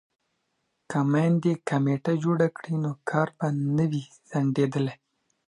که میندې کمیټه جوړه کړي نو کار به نه وي ځنډیدلی.